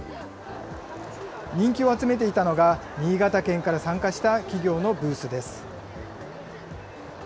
人気を集めていたのが、新潟県から参加した企業のブースです。